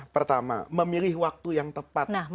pertama memilih waktu yang tepat